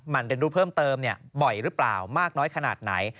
มันเรียนรู้เพิ่มเติมบ่อยหรือเปล่ามากน้อยขนาดไหน